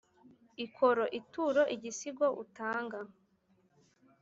ikoro: ituro igisigo utanga